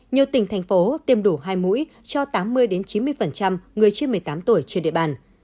nhiều tỉnh thành phố tiêm đủ hai mũi cho tám mươi chín mươi người trên một mươi tám tuổi trên địa bàn